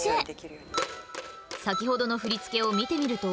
先ほどの振り付けを見てみると。